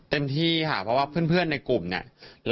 เต็มที่ค่ะเพราะว่าเพื่อนในกลุ่มเนี่ย